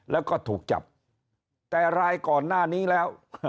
แล้วก็ถูกจับแต่รายก่อนหน้านี้แล้ว